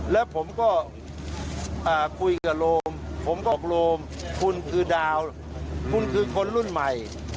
แล้วผมก็คุยกับโรมผมก็โรมคุณคือดาวคุณคือคนรุ่นใหม่